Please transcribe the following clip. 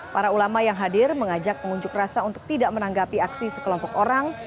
para ulama yang hadir mengajak pengunjuk rasa untuk tidak menanggapi aksi sekelompok orang